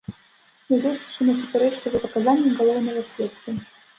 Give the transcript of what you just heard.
Нягледзячы на супярэчлівыя паказанні галоўнага сведкі.